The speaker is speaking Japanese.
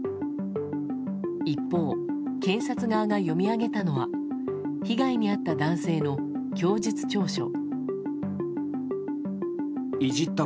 一方、検察側が読み上げたのは被害に遭った男性の供述調書。